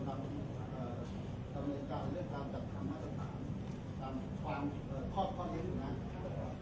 แล้วก็ตามจะตามตามข้อฐานตามความเอ่อข้อเคาะก็อันครับ